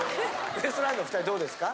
ウエストランドの２人どうですか？